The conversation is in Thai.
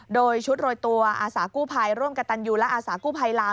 โดยชุดโรยตัวอาสากู้ภัยร่วมกับตันยูและอาสากู้ภัยลาว